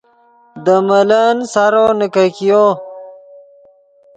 دے ملن سارو نیکګیو